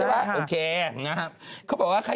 เอาที่นี้ใช้ได้เวลาครับโอเค